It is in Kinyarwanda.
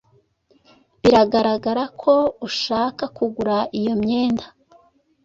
Biragaragara ko ushaka kugura iyo myenda.